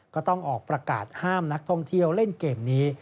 ก็ต้องออกประกาศห้ามนักท่องเที่ยวเล่นเกมนี้